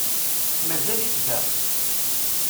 Mazal-it da?